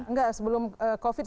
enggak sebelum covid sembilan belas